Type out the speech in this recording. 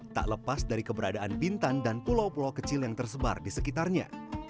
tak lepas dari keberadaan bintan dan pulau pulau kecil yang tersebar di sekitarnya